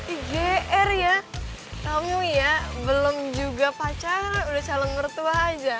igr ya tamu ya belum juga pacar udah calon mertua aja